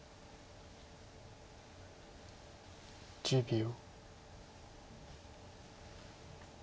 １０秒。